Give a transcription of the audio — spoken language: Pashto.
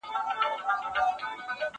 کېدای سي چپنه ګنده وي